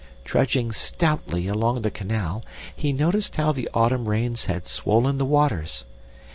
"Trudging stoutly along the canal, he noticed how the autumn rains had swollen the waters.